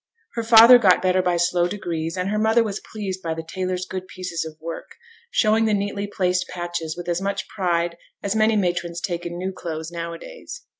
Her father got better by slow degrees, and her mother was pleased by the tailor's good pieces of work; showing the neatly placed patches with as much pride as many matrons take in new clothes now a days.